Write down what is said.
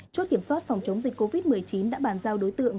chốt kiểm soát phòng chống dịch covid một mươi chín đã bàn giao đối tượng